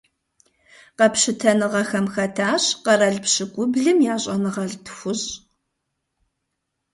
Къэпщытэныгъэхэм хэтащ къэрал пщыкӏублым я щӀэныгъэлӀ тхущӏ.